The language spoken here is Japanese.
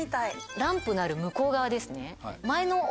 ランプのある向こう側ですね。